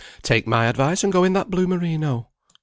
take my advice, and go in that blue merino.